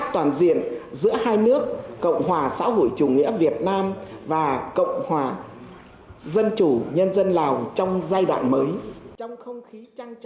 các toàn diện giữa hai nước cộng hòa xã hội chủ nghĩa việt nam và cộng hòa dân chủ nhân dân lào trong giai đoạn mới